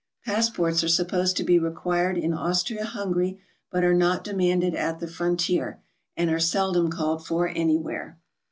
Passports are supposed to be required in Austria Hungary, but are not demanded at the frontier, and are sel dom called for anywhere.